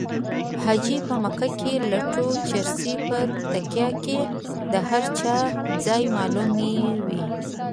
حاجي په مکه کې لټوه چرسي په تکیه کې د هر چا ځای معلوموي